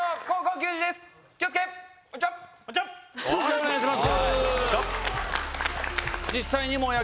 お願いします。